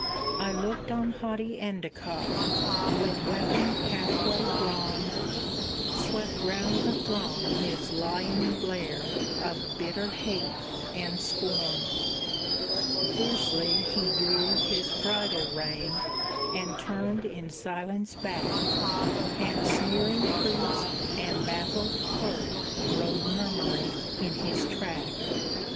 I looked on haughty Endicott; with weapon half way drawn, Swept round the throng his lion glare of bitter hate and scorn; Fiercely he drew his bridle rein, and turned in silence back, And sneering priest and baffled clerk rode murmuring in his track.